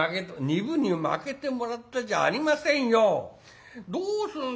「二分にまけてもらったじゃありませんよ。どうすんですよそれ。